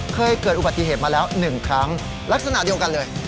เคยเกิดอุบัติเหตุมาแล้ว๑ครั้งลักษณะเดียวกันเลย